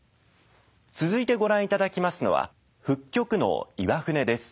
続いてご覧いただきますのは復曲能「岩船」です。